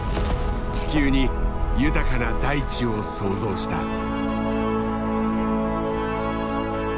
地球に豊かな大地を創造した。